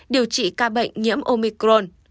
điều trị ca bệnh nhiễm omicron